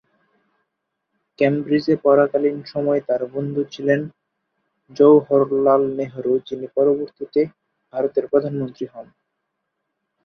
কেমব্রিজে পড়াকালীন সময়ে তার বন্ধু ছিলেন জওহরলাল নেহেরু, যিনি পরবর্তীতে ভারতের প্রধানমন্ত্রী হন।